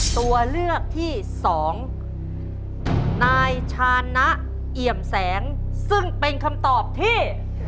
ตัวเลือกที่สองนายชานะเอี่ยมแสงซึ่งเป็นคำตอบที่